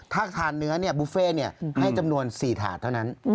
ถ้าทานเนื้อเนี้ยบุฟเฟต์เนี้ยให้จำนวนสี่ถาดเท่านั้น